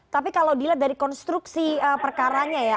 tapi kalau dilihat dari konstruksi perkaranya ya